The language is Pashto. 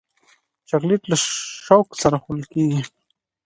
چاکلېټ له شوق سره خوړل کېږي.